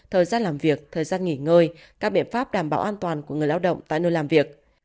thời gian làm việc thời gian nghỉ ngơi các biện pháp đảm bảo an toàn của người lao động tại nơi làm việc